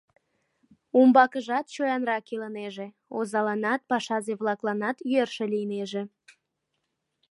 Умбакыжат чоянрак илынеже, озаланат, пашазе-влакланат йӧршӧ лийнеже.